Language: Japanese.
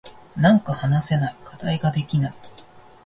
なんか話せない。課題ができない。